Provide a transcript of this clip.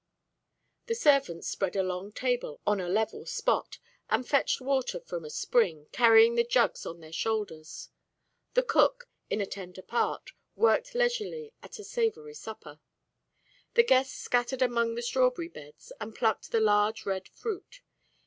The servants spread a long table on a level spot, and fetched water from a spring, carrying the jugs on their shoulders. The cook, in a tent apart, worked leisurely at a savory supper. The guests scattered among the strawberry beds, and plucked the large red fruit.